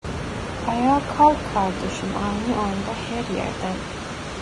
Ayağa kalk kardeşim aynı anda her yerden!